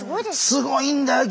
すごいんだよ